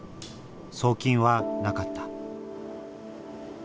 送金はなかった。